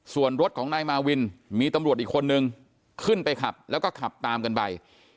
ส่วนรถของนายมาวินมีตำรวจอีกคนนึงขึ้นไปขับแล้วก็ขับตามกันไป